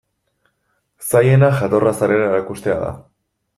Zailena jatorra zarela erakustea da.